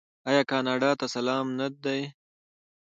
آیا کاناډا ته سلام نه دی؟